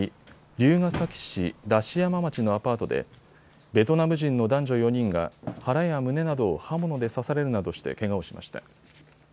龍ケ崎市出し山町のアパートでベトナム人の男女４人が腹や胸などを刃物で刺されるなどしてけがをしました。